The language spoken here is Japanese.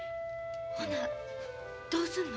ほなどうすんの？